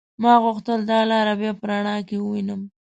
ما غوښتل دا لار بيا په رڼا کې ووينم.